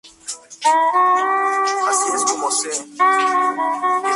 A los catorce años, fue presentado ante el duque de Brunswick.